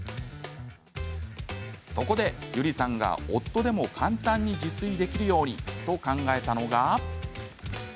そこで佑梨さんが夫でも簡単に自炊できるようにと考えたのが。